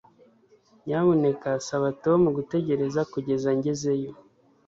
nyamuneka saba tom gutegereza kugeza ngezeyo